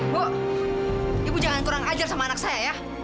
bu ibu jangan kurang ajar sama anak saya ya